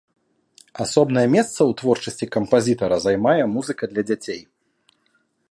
Асобнае месца ў творчасці кампазітара займае музыка для дзяцей.